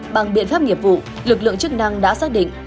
bằng biện pháp nghiệp vụ lực lượng chức năng đã xác định